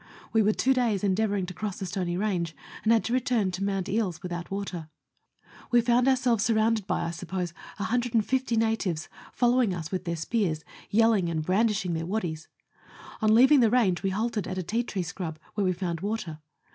We were two days endeavouring to cross a stony range, and had to return to Mount Eeles, without water. We found ourselves surrounded by, I suppose, 150 natives, following us with their spears, yelling and brandishing their waddies. On leaving the range we halted at a tea tree scrub, where we found water.